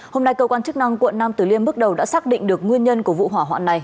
hôm nay cơ quan chức năng quận nam tử liêm bước đầu đã xác định được nguyên nhân của vụ hỏa hoạn này